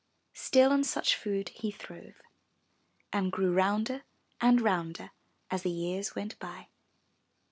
Still on such food he throve and grew rounder and rounder as the years went by.